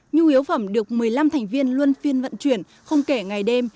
nhu yếu phẩm được một mươi năm thành viên luôn phiên vận chuyển không kể ngày đêm